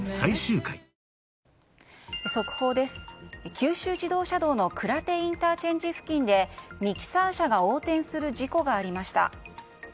九州自動車道の鞍手ＩＣ付近でミキサー車が横転する事故がありました。